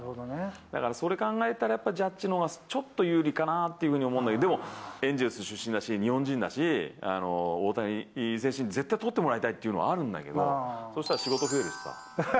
だからそれ考えたら、やっぱジャッジのほうがちょっと有利かなっていうふうに思うんだけど、でも、エンゼルス出身だし、日本人だし、大谷選手に絶対取ってもらいたいっていうのはあるんだけど。